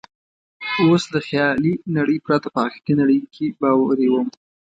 اوس له خیالي نړۍ پرته په حقیقي نړۍ کې باوري وم.